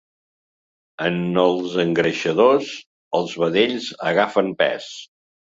En els engreixadors, els vedells agafen pes.